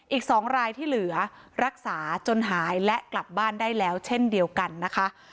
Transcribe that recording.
อีก๒รายที่เหลือรักษาจนหายและกลับบ้านได้แล้วเช่นเดียวกันนะคะ